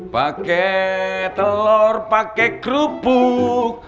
pake telur pake kerupuk